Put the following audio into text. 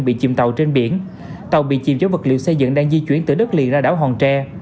bị chìm tàu trên biển tàu bị chìm chở vật liệu xây dựng đang di chuyển từ đất liền ra đảo hòn tre